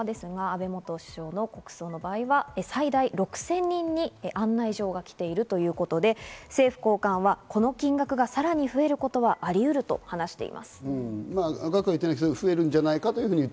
安倍元首相の国葬の場合、最大６０００人に案内状が来ているということで、政府高官はこの金額がさらに増えることはありうると話しています。